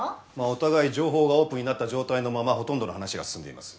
お互い情報がオープンになった状態のままほとんどの話が進んでいます。